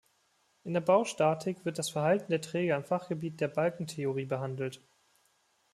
In der Baustatik wird das Verhalten der Träger im Fachgebiet der Balkentheorie behandelt.